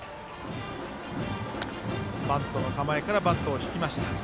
バントの構えからバットを引きました。